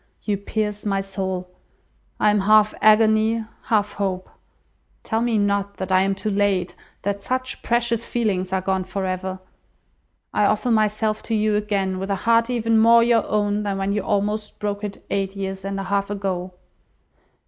You pierce my soul. I am half agony, half hope. Tell me not that I am too late, that such precious feelings are gone for ever. I offer myself to you again with a heart even more your own than when you almost broke it, eight years and a half ago.